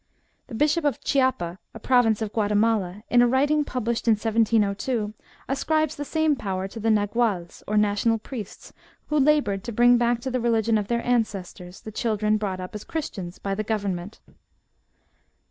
The Bishop of Chiapa, a province of Guatemala, in a writing published in 1702, ascribes the same power to the Naguals, or national priests, who laboured to bring back to the religion of their ancestors, the children brought up as Christians by the government.